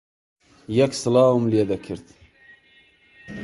یەک سڵاوم لێ دەکرد